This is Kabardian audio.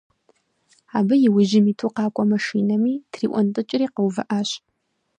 Абы иужь иту къакӀуэ машинэми, триӀуэнтӀыкӀри къэувыӀащ.